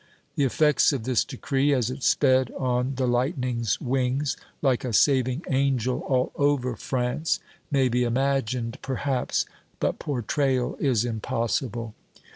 The effects of this decree, as it sped on the lightning's wings, like a saving angel, all over France, may be imagined perhaps, but portrayal is impossible!